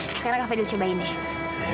sekarang kak fadil cobain ya